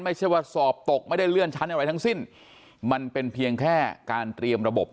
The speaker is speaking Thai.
ไม่ใช่ว่าสอบตกไม่ได้เลื่อนชั้นอะไรทั้งสิ้นมันเป็นเพียงแค่การเตรียมระบบ